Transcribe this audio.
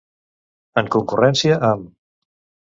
En concurrència amb.